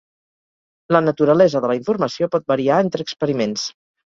La naturalesa de la informació pot variar entre experiments.